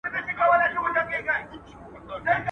خائن، خائف وي.